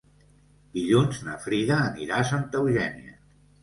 Dilluns na Frida anirà a Santa Eugènia.